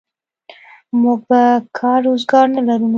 موږ به کار روزګار نه لرو نو.